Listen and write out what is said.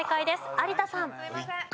有田さん。